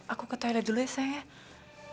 aku ke toilet dulu ya saya